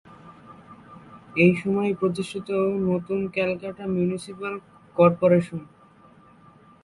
এই সময়ই প্রতিষ্ঠিত নতুন ‘ক্যালকাটা মিউনিসিপ্যাল কর্পোরেশন’।